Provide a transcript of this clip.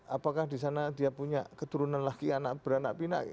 apakah di sana dia punya keturunan laki anak beranak pinak